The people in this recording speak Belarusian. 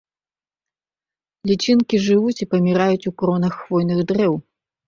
Лічынкі жывуць у паміраюць кронах хвойных дрэў.